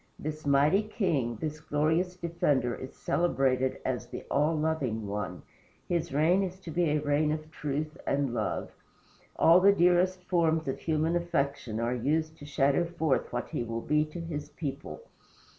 This mighty king, this glorious defender, is celebrated as the All Loving One. His reign is to be a reign of truth and love. All the dearest forms of human affection are used to shadow forth what he will be to his people.